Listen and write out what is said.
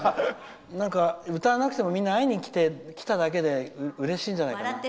歌わなくてもみんな会いに来ただけでうれしいんじゃないかな。